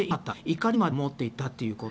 怒りまで持っていたということ。